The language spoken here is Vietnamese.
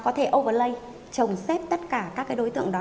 có thể overlay trồng xếp tất cả các đối tượng đó